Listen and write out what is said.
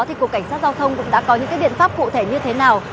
cục cảnh sát giao thông đã có những biện pháp cụ thể như thế nào